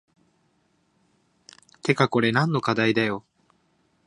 てかこれ何の課題だよ